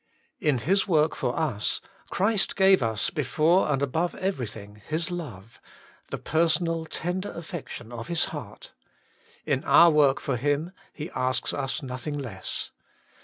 In His work for us Christ gave us before and above everything His love, the personal tender affection of His heart. In our work for Him He asks us nothing less.